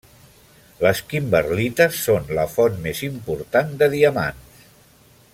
Les kimberlites són la font més important de diamants.